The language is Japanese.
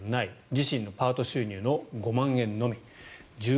自身のパート収入の５万円のみ。